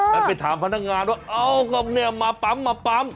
แล้วไปถามพนักงานว่าเอากุญแจมาปั๊ม